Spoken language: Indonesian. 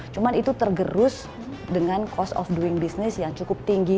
cuma itu tergerus dengan cost of doing business yang cukup tinggi